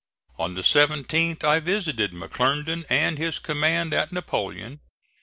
On the 17th I visited McClernand and his command at Napoleon.